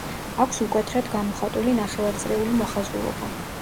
აქვს მკვეთრად გამოხატული ნახევარწრიული მოხაზულობა.